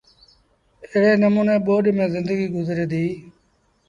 ايڙي نموٚني ٻوڏ ميݩ زندگيٚ گزريٚ۔